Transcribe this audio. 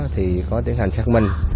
thì có tiến hành xác minh